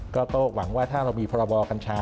ก็หวังว่าถ้าเรามีพรบกัญชา